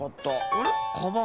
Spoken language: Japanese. あれ？